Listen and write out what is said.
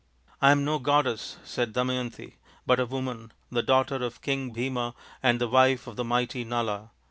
" I am no goddess," said Damayanti, " but a woman, the daughter of King Bhima and the wife of the mighty Nala."